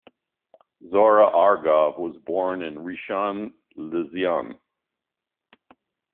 Zohar Argov was born in Rishon LeZion.